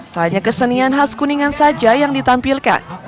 tak hanya kesenian khas kuningan saja yang ditampilkan